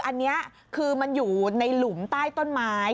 อันนี้คือมันอยู่ในหลุมใต้ต้นไม้